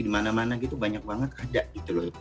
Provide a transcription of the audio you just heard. di mana mana gitu banyak banget ada gitu loh